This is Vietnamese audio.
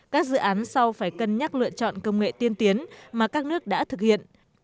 các dự án sau phải cân nhắc lựa chọn công nghệ tiên tiến mà các nước đã thực hiện